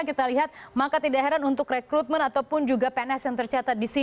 kita lihat maka tidak heran untuk rekrutmen ataupun juga pns yang tercatat di sini